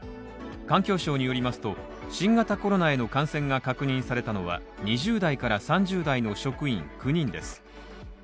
環境省によりますと、新型コロナへの感染が確認されたのは２０代から３０代の職員９人です。